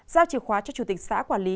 giao chìa khóa cho chủ tịch xã quản lý